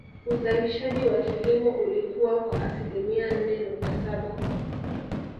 Uzalishaji wa kilimo ulikua kwa asilimia nne nukta Saba